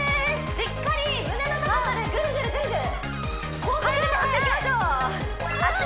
しっかり胸の高さでぐるぐるぐるぐる高速で回していきましょう速い速い！